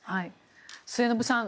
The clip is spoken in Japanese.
末延さん